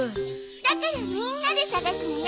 だからみんなで探すのよ。